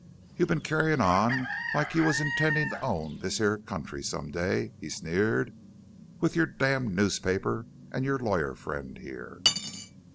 "You've been carrying on like you was intending to own this here country some day," he sneered; "with your damned newspaper and your lawyer friend here.